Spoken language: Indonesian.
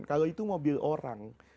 kalau itu mobil orang